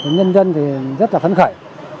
nhân dân thì rất là phấn khởi